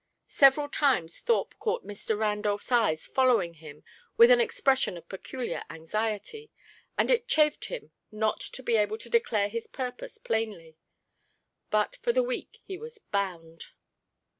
Several times Thorpe caught Mr. Randolph's eyes following him with an expression of peculiar anxiety, and it chafed him not to be able to declare his purpose plainly; but for the week he was bound.